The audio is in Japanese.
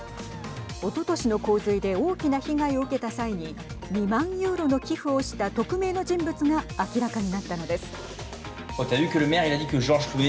おととしの洪水で大きな被害を受けた際に２万ユーロの寄付をした匿名の人物が明らかになったのです。